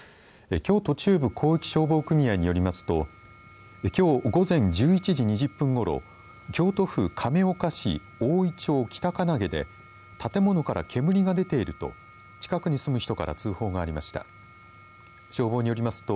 京都中部広域消防組合によりますときょう午前１１時２０分ごろ京都府亀岡市大井町北金岐で建物から煙が出ていると近くに住む人から通報がありました。